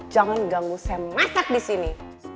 jangan ganggu saya masak disini